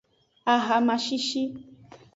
Ahama shishi.